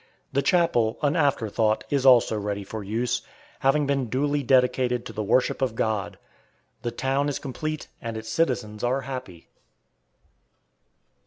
The chapel, an afterthought, is also ready for use, having been duly dedicated to the worship of God. The town is complete and its citizens are happy.